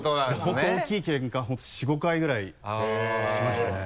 本当大きいケンカ４５回ぐらいしましたね。